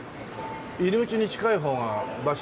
入り口に近いほうが場所